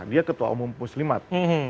dia ketua umum muslimat